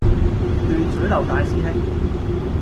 斷水流大師兄